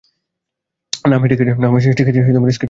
না, আমি ঠিক আছি, আমি স্কিটলস খেয়েছি।